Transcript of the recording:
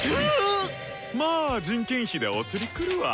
まぁ人件費でお釣りくるわ。